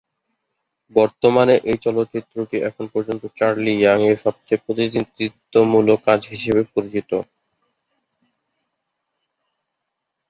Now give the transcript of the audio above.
বর্তমানে এই চলচ্চিত্রটি এখন পর্যন্ত চার্লি ইয়াং এর সবচেয়ে প্রতিনিধিত্বমূলক কাজ হিসাবে পরিচিত।